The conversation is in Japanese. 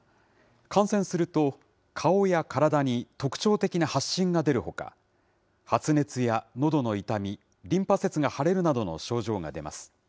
感染すると、顔や体に特徴的な発疹が出るほか、発熱やのどの痛み、リンパ節が腫れるなどの症状が出ます。